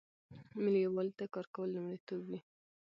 ملي یووالي ته کار کول لومړیتوب وي.